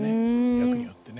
役によってね。